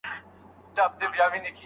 الله تعالی هرڅه پيدا کړي دي.